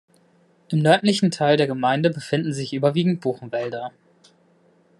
Im nördlichen Teil der Gemeinde befinden sich überwiegend Buchenwälder.